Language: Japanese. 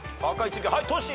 はいトシ。